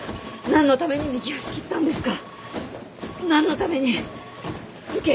何のために受け入れたんですか。